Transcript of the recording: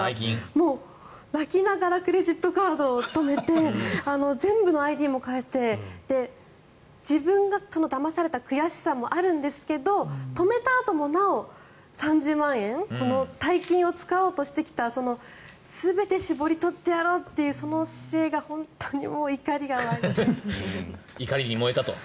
もう泣きながらクレジットカードを止めて全部のＩＤも変えて自分がだまされた悔しさもあるんですけど止めたあともなお３０万円の大金を使おうとしてきたその全て搾り取ってやろうというその姿勢が怒りに燃えたと。